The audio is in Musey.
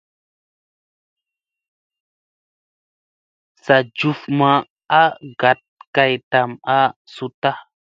Sa njuf ma a gat kay tam a suuta.